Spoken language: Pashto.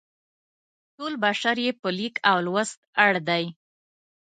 ټول بشر یې په لیک او لوست اړ دی.